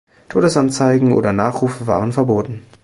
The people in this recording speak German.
Todesanzeigen oder Nachrufe waren verboten.